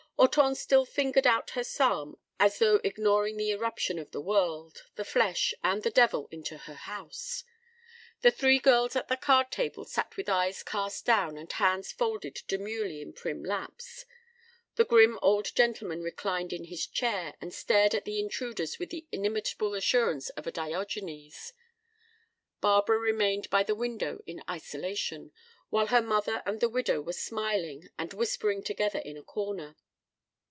Hortense still fingered out her psalm as though ignoring the irruption of the world, the flesh, and the devil into her house. The three girls at the card table sat with eyes cast down and hands folded demurely in prim laps. The grim old gentleman reclined in his chair, and stared at the intruders with the inimitable assurance of a Diogenes. Barbara remained by the window in isolation, while her mother and the widow were smiling and whispering together in a corner.